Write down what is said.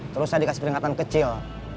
terus saya dikasih peringatan kecil